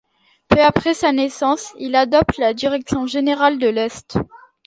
Peu après sa naissance, il adopte la direction générale de l'est.